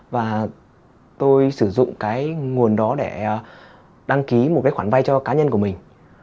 và tôi sử dụng cái nguồn đó để đăng ký một cái khoản vay cho cá nhân của mình